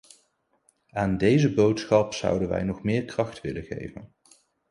Aan deze boodschap zouden wij nog meer kracht willen geven.